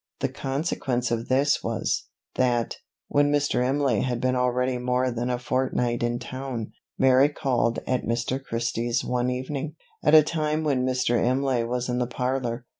The consequence of this was, that, when Mr. Imlay had been already more than a fortnight in town, Mary called at Mr. Christie's one evening, at a time when Mr. Imlay was in the parlour.